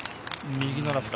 右のラフだ。